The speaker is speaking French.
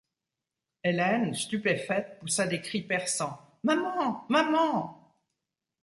Hélène stupéfaite poussa des cris perçants: — Maman! maman !